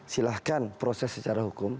silahkan proses secara hukum